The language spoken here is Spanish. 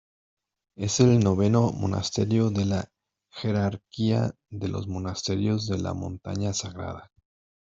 Es el noveno monasterio de la jerarquía de los monasterios de la Montaña Sagrada.